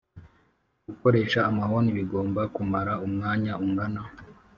gukoresha amahoni bigomba kumara Umwanya ungana